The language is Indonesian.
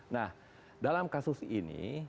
nah dalam kasus ini